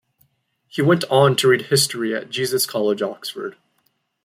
He went on to read history at Jesus College, Oxford.